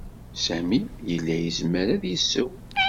Sami yella yezmer ad yesseww.